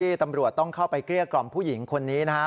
ตำรวจต้องเข้าไปเกลี้ยกล่อมผู้หญิงคนนี้นะฮะ